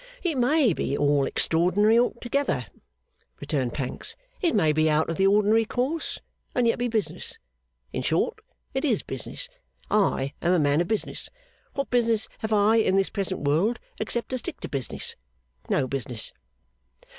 'It may be all extraordinary together,' returned Pancks. 'It may be out of the ordinary course, and yet be business. In short, it is business. I am a man of business. What business have I in this present world, except to stick to business? No business.